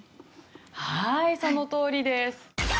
はいそのとおりです。